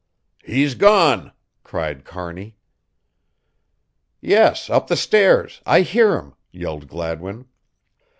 "He's gone!" cried Kearney. "Yes, up the stairs I hear him," yelled Gladwin.